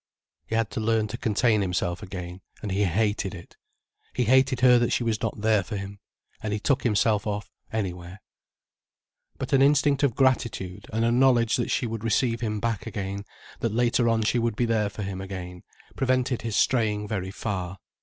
He had to learn to contain himself again, and he hated it. He hated her that she was not there for him. And he took himself off, anywhere. But an instinct of gratitude and a knowledge that she would receive him back again, that later on she would be there for him again, prevented his straying very far.